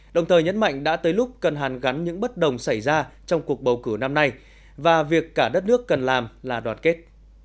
đồng thời nhấn mạnh đã tới lúc cần hàn gắn những bất đồng xảy ra trong cuộc bầu cử năm nay và việc cả đất nước cần làm là đoàn kết